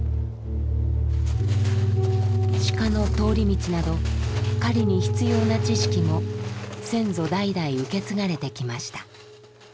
鹿の通り道など狩りに必要な知識も先祖代々受け継がれてきました。